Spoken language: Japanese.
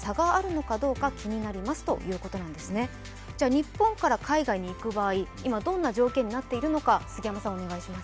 日本から海外に行く場合、今どんな条件になっているのか杉山さん、お願いします。